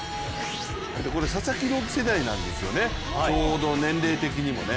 佐々木朗希世代なんですよね、ちょうど年齢的にもね。